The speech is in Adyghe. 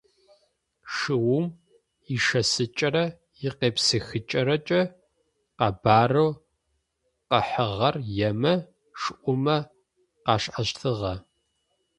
Шыум ишэсыкӏэрэ икъепсыхыкӏэрэкӏэ къэбарэу къыхьыгъэр емэ, шӏумэ къашӏэщтыгъэ.